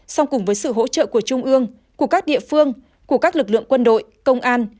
song cùng với sự hỗ trợ của trung ương của các địa phương của các lực lượng quân đội công an